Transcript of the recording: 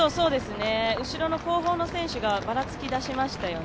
後ろの後方の選手がばらつきだしましたよね。